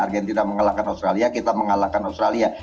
argentina mengalahkan australia kita mengalahkan australia